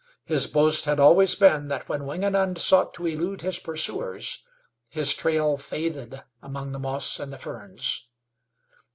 His boast had always been that, when Wingenund sought to elude his pursuers, his trail faded among the moss and the ferns.